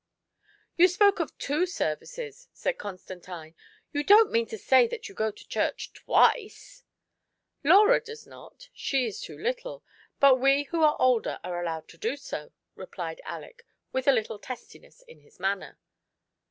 " You spoke of two services," said Constantine ;" you don't mean to say that you go to church twice ?"" Laura does not — she is too little ; but we who are older are allowed to do so," replied Aleck, with a little testiness in his manner.